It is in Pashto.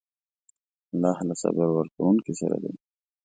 الله له صبر کوونکو سره دی.